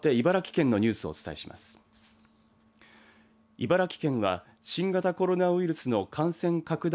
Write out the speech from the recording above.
茨城県は新型コロナウイルスの感染拡大